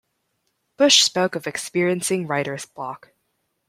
Bush spoke of experiencing writer's block.